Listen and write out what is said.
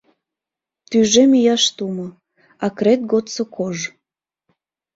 Тӱжем ияш тумо, акрет годсо кож —